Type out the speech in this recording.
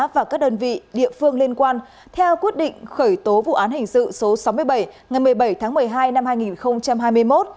và các đơn vị địa phương liên quan theo quyết định khởi tố vụ án hình sự số sáu mươi bảy ngày một mươi bảy tháng một mươi hai năm hai nghìn hai mươi một